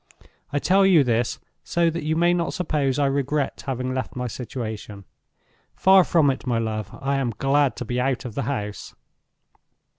I tell you this, so that you may not suppose I regret having left my situation. Far from it, my love—I am glad to be out of the house.